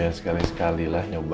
ya sekali sekalilah nyoba